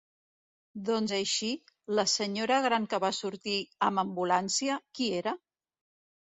Doncs així, la senyora gran que va sortir amb ambulància, qui era?